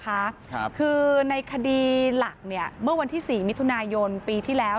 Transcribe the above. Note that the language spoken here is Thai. ครับคือในคดีหลักเนี่ยเมื่อวันที่สี่มิถุนายนปีที่แล้ว